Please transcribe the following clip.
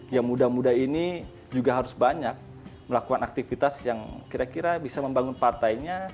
yang muda muda ini juga harus banyak melakukan aktivitas yang kira kira bisa membangun partainya